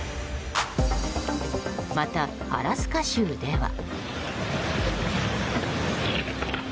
また、アラスカ州では。